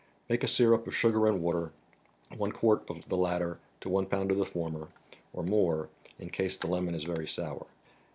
Make a syrup of sugar and water, one quart of the latter to one pound of the former, or more, in case the lemon is very sour.